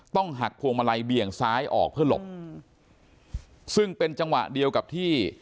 ต้องหักพวงมาลัยเบี่ยงซ้ายออกเพื่อหลบซึ่งเป็นจังหวะเดียวกับที่